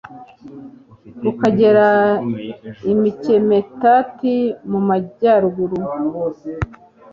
rukagera i mikimetati mu majyaruguru